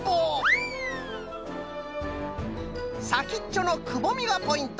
さきっちょのくぼみがポイント！